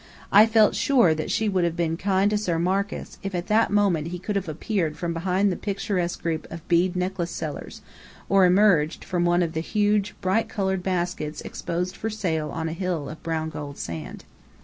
I felt sure that she would have been kind to Sir Marcus if at that moment he could have appeared from behind the picturesque group of bead necklace sellers, or emerged from one of the huge bright coloured baskets exposed for sale on a hill of brown gold sand.